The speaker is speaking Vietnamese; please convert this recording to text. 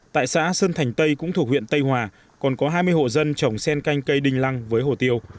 tại xã sơn thành tây cũng thuộc huyện tây hòa còn có hai mươi hộ dân trồng sen canh cây đinh lăng với hồ tiêu